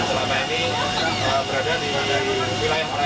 selama ini berada di wilayah perairan haram